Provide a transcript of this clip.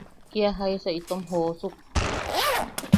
¡Kia jaisa itom joosuk!